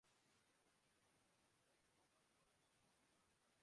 Serbia کے جوکووچ نے راجر فیڈرر کو ہرا کر ومبلڈن فائنل جیت لیا